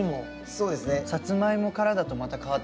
そうですね。